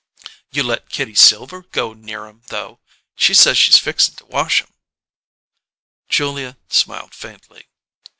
"You let Kitty Silver go near 'em, though. She says she's fixing to wash 'em." Julia smiled faintly.